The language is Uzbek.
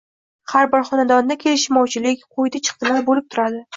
Har bir xonadonda kelishmovchilik, qo‘ydi-chiqdilar bo‘lib turadi.